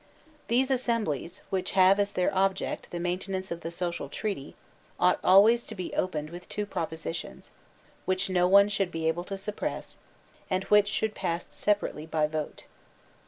These assemblies, which have as their object the mainte nance of the social treaty, ought always to be opened with two propositions, which no one should be able to suppress, and which should pass separately by vote.